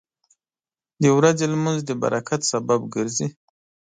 • د ورځې لمونځ د برکت سبب ګرځي.